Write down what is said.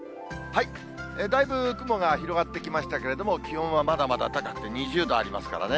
だいぶ雲が広がってきましたけれども、気温はまだまだ高くて２０度ありますからね。